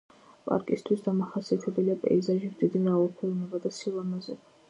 პარკისთვის დამახასიათებელია პეიზაჟებს დიდი მრავალფეროვნება და სილამაზე.